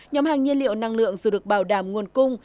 nhóm hàng nhiên liệu năng lượng dù được bảo đảm nguồn cung